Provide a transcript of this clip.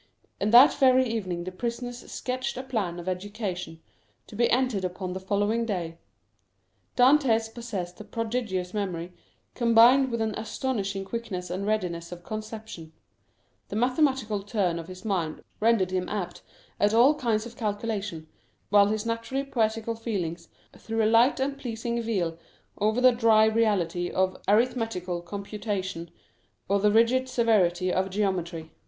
And that very evening the prisoners sketched a plan of education, to be entered upon the following day. Dantès possessed a prodigious memory, combined with an astonishing quickness and readiness of conception; the mathematical turn of his mind rendered him apt at all kinds of calculation, while his naturally poetical feelings threw a light and pleasing veil over the dry reality of arithmetical computation, or the rigid severity of geometry.